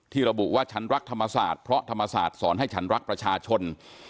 ระบุว่าฉันรักธรรมศาสตร์เพราะธรรมศาสตร์สอนให้ฉันรักประชาชน